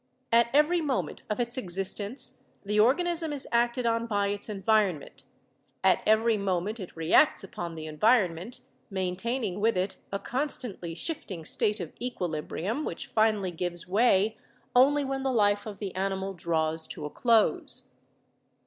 At every moment of its existence the organ ism is acted on by its environment; at every moment it reacts upon the environment, maintaining with it a con stantly shifting state of equilibrium which finally gives way only when the life of the animal draws to a close.